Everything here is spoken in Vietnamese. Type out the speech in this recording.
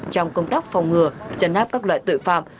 trong công tác phòng ngừa chấn áp các loại tội phạm